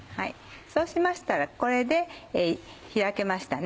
そうしましたらこれで開けましたね。